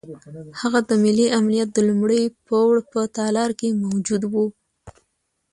هغه د ملي امنیت د لومړي پوړ په تالار کې موجود وو.